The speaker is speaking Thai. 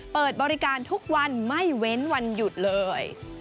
เปิดบริการทุกวันไม่เว้นวันหยุดเลย